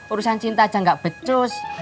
urusan cinta aja gak becus